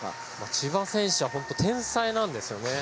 千葉選手は本当、天才なんですよね。